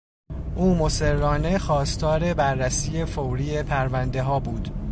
او مصرانه خواستار بررسی فوری پروندهها بود.